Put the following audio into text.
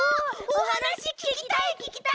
おはなしききたいききたい！